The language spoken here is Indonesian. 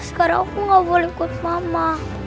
sekarang aku nggak boleh ikut mama